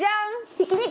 ひき肉！